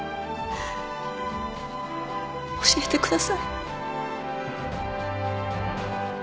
教えてください。